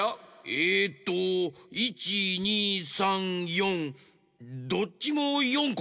えっと１２３４どっちも４こ？